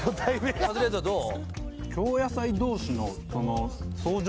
カズレーザーどう？